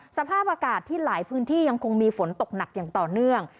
สภาพอากาศที่หลายพื้นที่ยังคงมีฝนตกหนักอย่างต่อเนื่อง